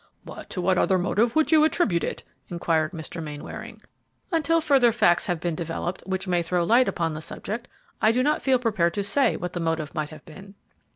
"But to what other motive would you attribute it?" inquired Mr. Mainwaring. "Until further facts have been developed which may throw light upon the subject, I do not feel prepared to say what the motive might have been."